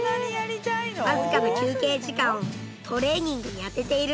僅かな休憩時間をトレーニングに充てているんです。